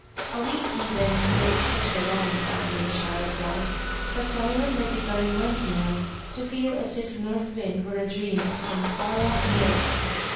A week even makes such a long time in a child's life, that Diamond had begun once more to feel as if North Wind were a dream of some far off year.